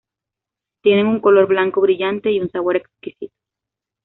Tienen un color blanco brillante y un sabor exquisito.